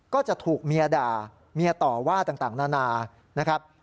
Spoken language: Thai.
ก็จะถูกเมียด่าเมียต่อว่าต่างนานานะครับ